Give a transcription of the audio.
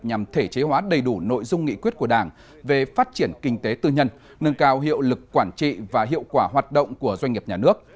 nhằm thể chế hóa đầy đủ nội dung nghị quyết của đảng về phát triển kinh tế tư nhân nâng cao hiệu lực quản trị và hiệu quả hoạt động của doanh nghiệp nhà nước